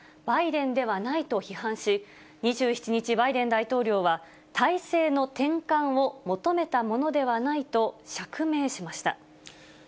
バイデンではないと批判し、２７日、バイデン大統領は体制の転換を求めたものではないと釈明しました。